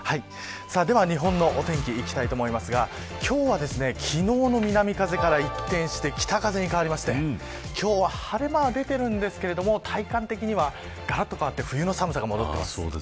日本のお天気、いきたいと思いますが、今日は昨日の南風から一転して北風に変わりまして今日は晴れ間は出ていますが体感的にはがらっと変わって冬の寒さが戻ってきます。